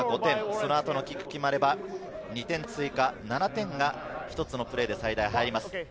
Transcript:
その後のキックが決まれば２点追加、７点が最大、１つのプレーで入ります。